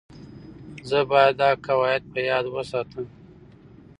زه باید دا قواعد په یاد وساتم.